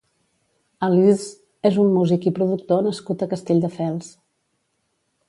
Alizzz és un músic i productor nascut a Castelldefels.